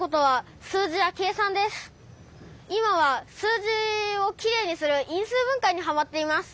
今は数字をきれいにする因数分解にハマっています。